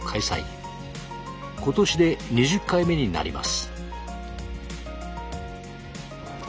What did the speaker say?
今年で２０回目になります。